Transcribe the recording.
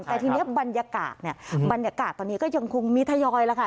แต่ที่นี่บรรยากาศตอนนี้ก็ยังคงมีทยอยละค่ะ